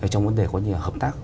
trong vấn đề hợp tác